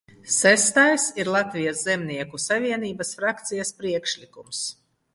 Sestais ir Latvijas Zemnieku savienības frakcijas priekšlikums.